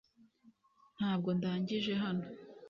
Ntabwo ndangije hano .